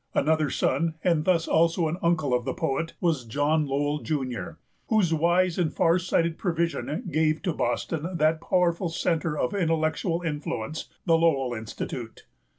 Another son, and thus also an uncle of the poet, was John Lowell, Jr., whose wise and far sighted provision gave to Boston that powerful centre of intellectual influence, the Lowell Institute.